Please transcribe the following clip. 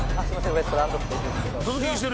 ウエストランドっていうんですけど。